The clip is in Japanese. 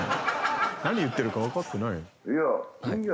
何言ってるかわかってないよ。